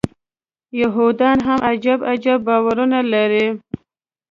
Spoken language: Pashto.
یهودان هم عجب عجب باورونه لري.